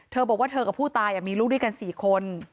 เธอบอกว่าเธอกับผู้ตายมีลูกด้วยกัน๔คน